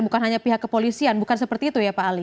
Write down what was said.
bukan hanya pihak kepolisian bukan seperti itu ya pak ali